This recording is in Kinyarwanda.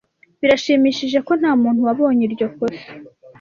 Birashimishije ko ntamuntu wabonye iryo kosa.